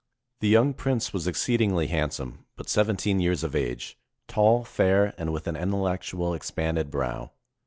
The young prince was exceed ingly handsome, but seventeen years of age, tall, fair, and with an intellectual, expanded brow.